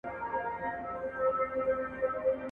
دسيسې يا سازشونه خپاره سوه